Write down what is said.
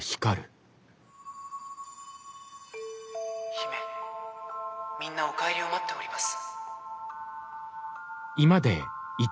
「姫みんなお帰りを待っております」。